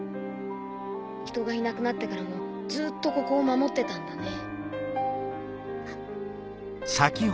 人がいなくなってからもずっとここを守ってたんだね。